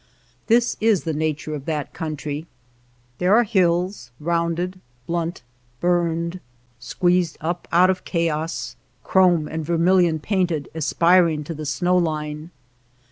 This is the nature of that country. There are hills, rounded, blunt, burned, 3 THE LAND OF LITTLE RAIN squeezed up out of chaos, chrome and ver milion painted, aspiring to the snow Hne.